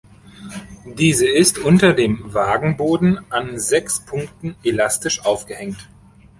Diese ist unter dem Wagenboden an sechs Punkten elastisch aufgehängt.